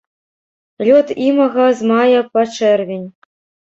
Лёт імага з мая па чэрвень.